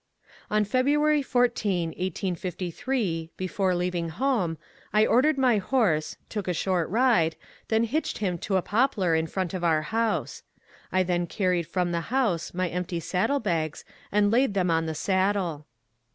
On February 14, 1858, before leaving home, I ordered my horse, took a short ride, then hitched him to a poplar in front of our house. I then carried from the house my empty saddle bags and laid them on the saddle.